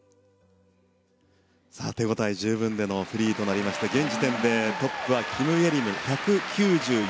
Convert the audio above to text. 手応え十分でのフリーとなりまして現時点でトップはキム・イェリム１９４．７６。